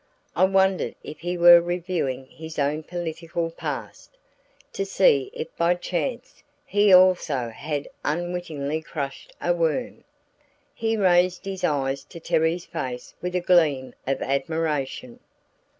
I wondered if he were reviewing his own political past, to see if by chance he also had unwittingly crushed a worm. He raised his eyes to Terry's face with a gleam of admiration.